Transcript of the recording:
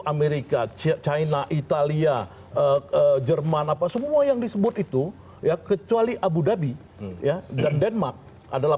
amerika china italia jerman apa semua yang disebut itu ya kecuali abu dhabi ya dan denmark adalah